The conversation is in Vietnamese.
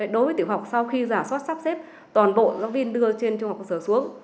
đối với tiểu học sau khi giả soát sắp xếp toàn bộ giáo viên đưa trên trung học cơ sở xuống